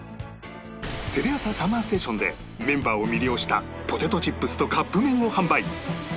テレ朝 ＳＵＭＭＥＲＳＴＡＴＩＯＮ でメンバーを魅了したポテトチップスとカップ麺を販売